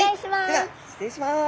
では失礼します。